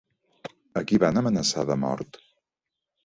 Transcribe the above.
A qui van amenaçar de mort?